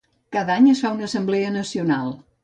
Cada any es fa una assemblea nacional.